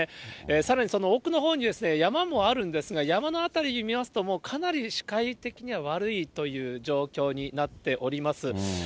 さらにその奥のほうに、山もあるんですが、山の辺りを見ますと、もうかなり視界的には悪いという状況になっております。